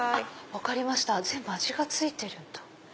分かりました全部味が付いてるんだ。